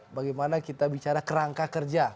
bagaimana kita bicara kerangka kerja